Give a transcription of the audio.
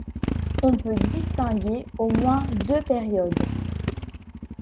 On peut distinguer au moins deux périodes.